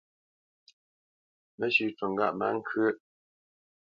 Mə́shʉ̄ cû ŋgâʼ má ŋkyə́ʼ.